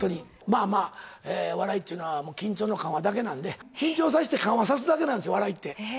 まあまあ、笑いというのは、緊張と緩和だけなんで、緊張させて緩和さすだけなんですよ、笑いって。